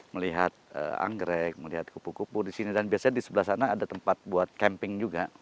melihat anggrek melihat kupu kupu di sini dan biasanya di sebelah sana ada tempat buat camping juga